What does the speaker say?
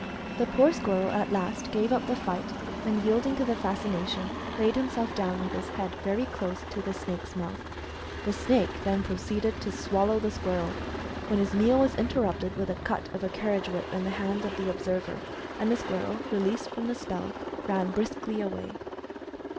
The poor squirrel at last gave up the fight, and yielding to the fascination, laid himself down with his head very close to the snake's mouth. The snake then proceeded to swallow the squirrel, when his meal was interrupted with a cut of a carriage whip in the hands of the observer, and the squirrel, released from the spell, ran briskly away.